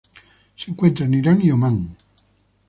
Se encuentra en Irán y Omán.